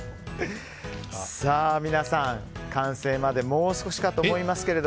皆さん、完成までもう少しかと思いますがえ？